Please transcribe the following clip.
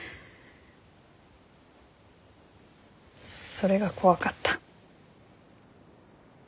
それが怖かった。